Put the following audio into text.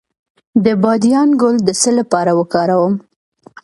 د بادیان ګل د څه لپاره وکاروم؟